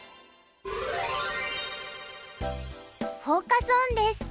フォーカス・オンです。